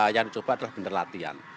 yang dicoba adalah benar latihan